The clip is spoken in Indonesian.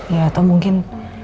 ya atau mungkin